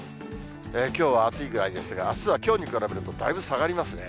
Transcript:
きょうは暑いぐらいですが、あすはきょうに比べると、だいぶ下がりますね。